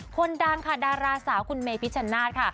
คนดังค่ะดาราสาวคุณเมพิชชนาธิ์ค่ะ